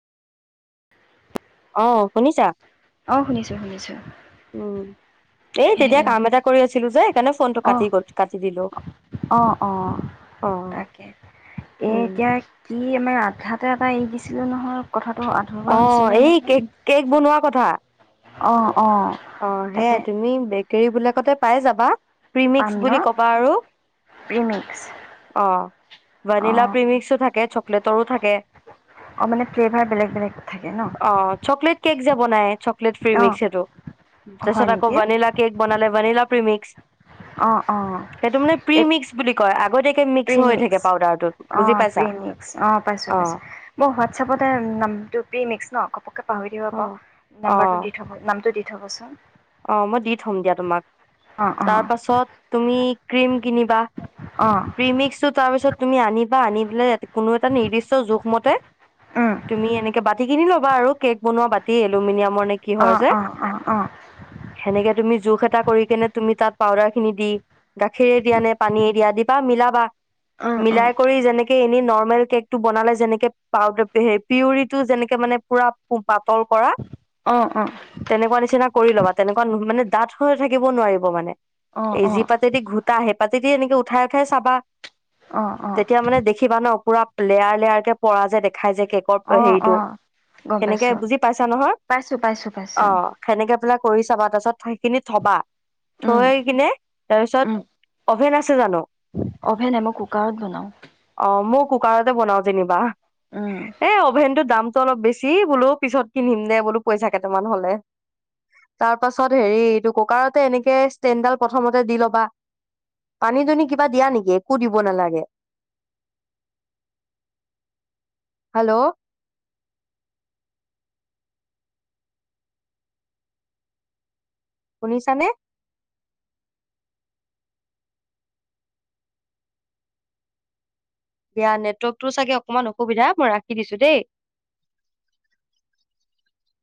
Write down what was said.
অ শুনিছা অ শুনিছো শুনিছো উম এই তেতিয়া কাম এটা কৰি আছিলো যে সেইকাৰণে ফোনটো কাটি আহ গল কাটি দিলো আহ অ অ তাকে এ উম এতিয়া কি আমাৰ আধাত ত এটা এৰি দিছিলো নহয় কথাত অ এই কেক কেক বনোৱা কথা অহ অ সেয়া তুমি বেকৰী বিলাকতে পাই যাবা প্ৰিমিক্স পাম ন বুলি কবা আৰু প্ৰিমিক্স অ অ ভানিলা প্ৰিমিক থাকে চকলেটৰো থাকে অ মানে ফ্লেভাৰ বেলেগ বেলেগ থাকে ন অ চকলেট কেক বনাই প্লেট ফ্ৰ্ৰী অ মিক্স হেটো তচ হয় আকৌ নেকি বনিলা কেক বনাল বনিলা প্ৰিমিক্স অ অ সেইটো মানে এই প্ৰিমিক্স বুলি কয় আগতীয়াকে মিক্স হৈ থাকে প্ৰিমিক্স পাউদাৰটোত অ বুজি পাইছা প্ৰিমিক্স পাইছোঁ অ পাইছোঁ মই হোৱাতছাপতে নামটো প্ৰিমিক্স ন কে অ পাহৰিব অ নাম্বাৰটো দি থ নামটো দি পঠ বছচোন অ মই দি থম দিয়া তোমাক অ অ তাৰ পাছত তুমি ক্ৰীম কিনিবা অ প্ৰিমিক্সটো তাৰপিছত তুমি আনিবা আনিবা বলে কোনো এটা নিৰ্দিষ্ট জোখমতে উম তুমি এনেকে বাতি কিনি ল আৰু কেক বনোৱা বাতি এলুমিনিয়াম অ অ অ অ সেনেকে তুমি জোখ এটা কৰি কেনে তুমি তাত পাউদাৰ খিনি দি গাখীৰে দিয়া নে পানীয়ে দিয়া দিবা মিলাবা অ', অ'। মিলাই কৰি যেনেকে এনে নৰ্মেল কেক টো বনালে যেনেকে পাউাৰ পিউৰিটো যেনেকে মানে পুৰা তল কৰা অ', অ', তেনেকুৱা নিচিনা ল'বা তেনেকুৱা মানে দাত হৈ থাকিব নোৱাৰিব মানে অ', এইজি অ', পাতেদি ঘোটা আহ পাতিদি এনেকে উঠাই উঠাই চাবা। অ', তেতিয়া মানে দেখিবা ন পুৰা লেয়াৰ লেয়াৰ কে পৰা যে দেখাই য কেকৰ অ', অ', হেৰিটো অ'। গম সেনেকে পাইছোঁ, বুজি পাইছা নহয়, পাইছোঁ, পাইছোঁ, অ পাইছোঁ। সেনে কৰি চাবা তাৰপিছত সেইখিনি থবা। উম, থৈ কিনে, তাৰপিছত উম, অভেন আছে ছে জানো। অভেন নাই, মই কুকাৰত বনাওঁ। অ মই কুকাৰতে বনাও যেনিবা। উম। এ অভেনটো দাম অলপ বেছি বোলো পিছত কিনিম দে বোলো পইচা কেইটামান হলে। তাৰ পাছত হেৰি এইটো কুকাৰতে এনেকে ষ্টেণ্ডডাল প্ৰথমতে দি লবা, পানী দুনি কিবা দিয়া নেকি একো দিব নালাগে। হেল্ল' শুনিছানে? দিয়া নেটৱৰ্কটো চাগে অকনমান অসুবিধা, মই ৰাখি দিছো দেই।